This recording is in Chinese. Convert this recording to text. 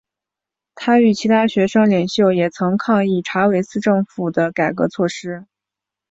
他与其他学生领袖也曾抗议查韦斯政府的改革措施。